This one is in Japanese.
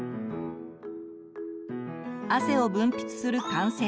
汗を分泌する汗腺。